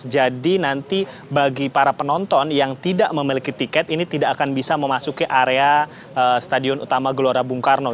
jadi nanti bagi para penonton yang tidak memiliki tiket ini tidak akan bisa memasuki area stadion utama gelora bung karno